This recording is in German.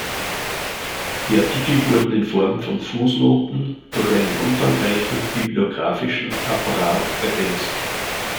Die Artikel wurden in Form von Fußnoten durch einen umfangreichen bibliographischen Apparat ergänzt.